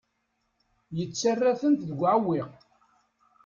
Yettarra-tent deg uɛewwiq.